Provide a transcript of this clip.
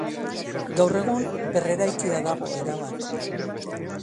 Gaur egun berreraikia dago erabat.